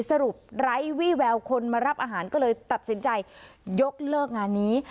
ไร้วี่แววคนมารับอาหารก็เลยตัดสินใจยกเลิกงานนี้